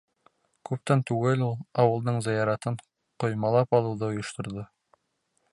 Күптән түгел ул ауылдың зыяратын ҡоймалап алыуҙы ойошторҙо.